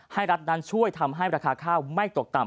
รัฐนั้นช่วยทำให้ราคาข้าวไม่ตกต่ำ